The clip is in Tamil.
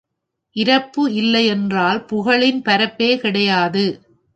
இரப்பு இல்லை என்றால் புகழின் பரப்பே கிடையாது.